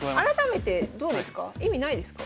意味ないですか？